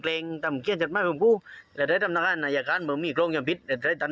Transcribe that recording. แรงทำเครียมจัดมาให้ผมกู้จะเป็นตั้งทางนายภารณาชุมมีโครงเงินภิกษ์